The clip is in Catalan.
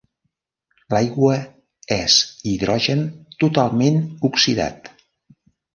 L'aigua és hidrogen totalment oxidat.